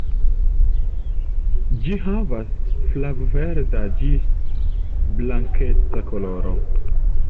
Ĝi havas flav-verda ĝis blankeca koloro.